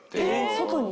外に？